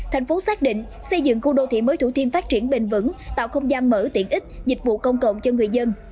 thành phố xác định xây dựng khu đô thị mới thủ thiêm phát triển bền vững tạo không gian mở tiện ích dịch vụ công cộng cho người dân